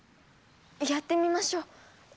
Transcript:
やってみましょう。